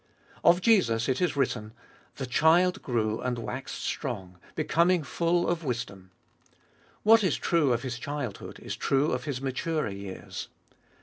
Of Jesus it is written : The child grew, and waxed strong, becoming full of wisdom. What is true of His childhood is true of His maturer years.